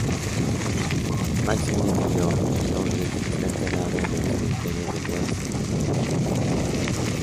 Maxim murió en Londres y está enterrado en el cementerio de West Norwood.